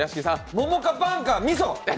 桃かパンか、みそ！